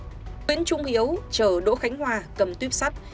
nguyễn trung hiếu chở đỗ khánh hòa cầm tuyếp sắt